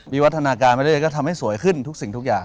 วัฒนาการไปเรื่อยก็ทำให้สวยขึ้นทุกสิ่งทุกอย่าง